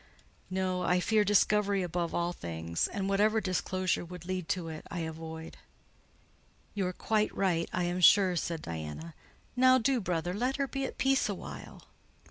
"No: I fear discovery above all things; and whatever disclosure would lead to it, I avoid." "You are quite right, I am sure," said Diana. "Now do, brother, let her be at peace a while."